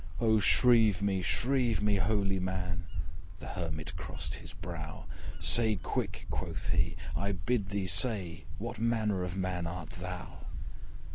'O shrieve me, shrieve me, holy man!' The Hermit crossed his brow. 'Say quick,' quoth he, 'I bid thee say What manner of man art thou?'